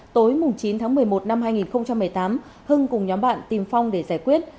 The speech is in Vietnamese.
tối chín tháng một mươi một năm hai nghìn một mươi tám hưng cùng nhóm bạn tìm phong để giải quyết